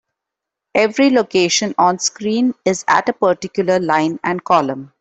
Every location onscreen is at a particular line and column.